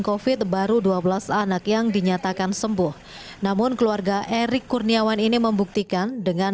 covid baru dua belas anak yang dinyatakan sembuh namun keluarga erick kurniawan ini membuktikan dengan